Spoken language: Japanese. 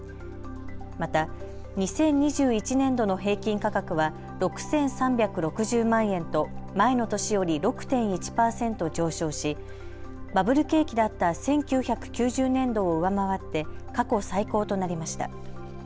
また、２０２１年度の平均価格は６３６０万円と前の年より６．１％上昇しバブル景気だった１９９０年度を上回って過去最高となりました。